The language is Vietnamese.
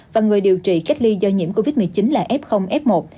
và người điều trị cách ly do nhiễm covid một mươi chín là f f một